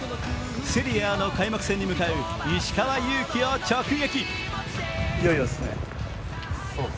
セリエＡの開幕戦に向かう石川祐希を直撃。